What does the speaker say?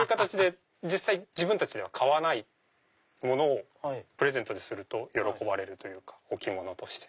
実際自分たちで買わないものをプレゼントにすると喜ばれるという置物として。